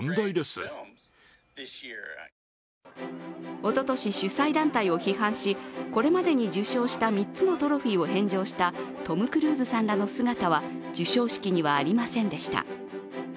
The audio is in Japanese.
おととし、主催団体を批判し受賞した３つのトロフィーを返上したトム・クルーズさんらの姿は授賞式にはありませんでした。